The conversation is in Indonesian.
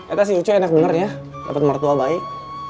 itu sih ucuy enak banget ya dapat mertua baik